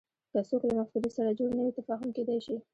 که څوک له مفکورې سره جوړ نه وي تفاهم کېدای شي